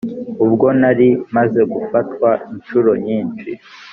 Ubwo nari maze gufatwa incuro nyinshi